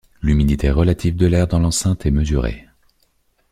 L’humidité relative de l’air dans l’enceinte est mesurée.